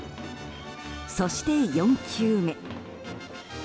そして、４球目。